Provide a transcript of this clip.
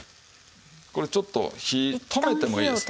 これちょっと火止めてもいいです。